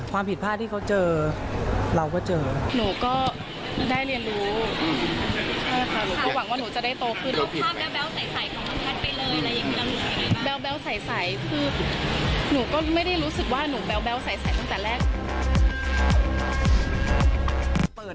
ความผิดพลาดที่เขาเจอเราก็เจอ